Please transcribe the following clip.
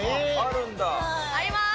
あります。